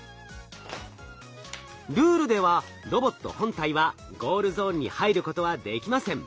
ルールではロボット本体はゴールゾーンに入ることはできません。